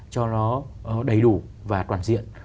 cho nó đầy đủ và toàn diện